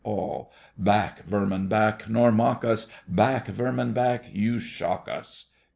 ALL. Back, vermin, back, Nor mock us! Back, vermin, back, You shock us!